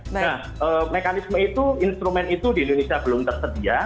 nah mekanisme itu instrumen itu di indonesia belum tersedia